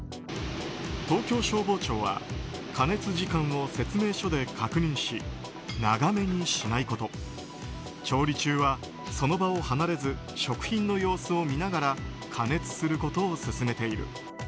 東京消防庁は加熱時間を説明書で確認し長めにしないこと調理中はその場を離れず食品の様子を見ながら加熱することを勧めている。